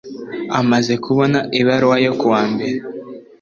amaze kubona ibaruwa yo kuwa mbere